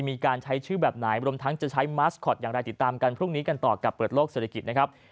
มีการใช้ชื่อแบบไหนรวมทั้งจะใช้มาสคอตอย่างไรติดตามกันพรุ่งนี้กันต่อกับเปิดโลกเศรษฐกิจนะครับ